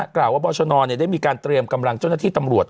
กล่าวว่าบรชนได้มีการเตรียมกำลังเจ้าหน้าที่ตำรวจ